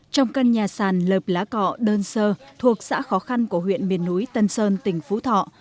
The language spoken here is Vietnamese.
trong căn nhà sàn lợp lá cọ đơn sơ thuộc xã khó khăn của huyện miền núi tân sơn tỉnh phú thọ